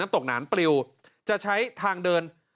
ตกหนานปลิวจะใช้ทางเดิน